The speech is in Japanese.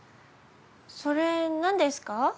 それなんですか？